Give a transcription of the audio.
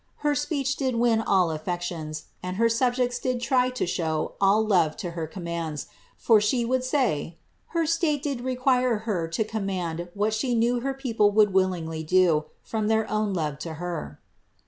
Her speech did win all aflfections, and her subjects did try to show all love to her commands, for she would say, ^ her state did require her to com mand what she knew her people would willingly do, from their own love to her.'